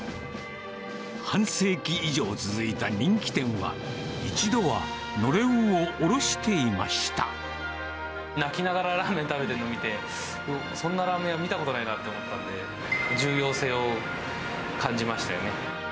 半世紀以上続いた人気店は、泣きながらラーメン食べてるのを見て、そんなラーメン屋、見たことないなと思ったんで、重要性を感じましたよね。